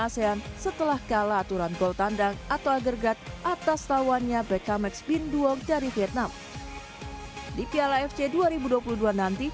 asean setelah kalah aturan gol tandang atau agregat atas tawannya bekamex binduong dari vietnam di piala